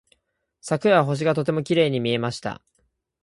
昨夜は星がとてもきれいに見えました。